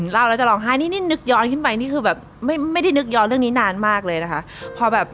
เราจะร้องไห้นี่นึกย้อนขึ้นไปไม่ได้นึกย้อนเรื่องนี้นานมากเลยนะคะ